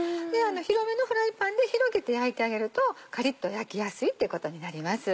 広めのフライパンで広げて焼いてあげるとカリっと焼きやすいってことになります。